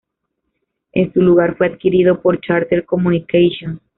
En su lugar, fue adquirido por Charter Communications.